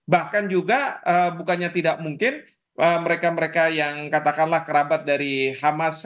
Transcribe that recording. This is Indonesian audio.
bahkan juga bukannya tidak mungkin mereka mereka yang katakanlah kerabat dari hamas